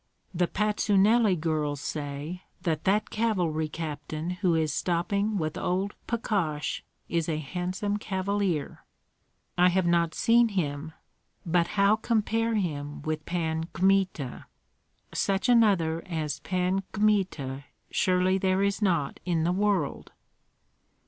"The Patsuneli girls say that that cavalry captain who is stopping with old Pakosh is a handsome cavalier." "I have not seen him; but how compare him with Pan Kmita! Such another as Pan Kmita surely there is not in the world!"